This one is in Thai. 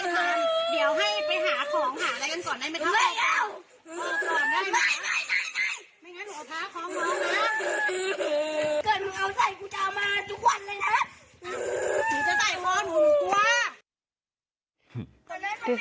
อื่นอันดูครูมาก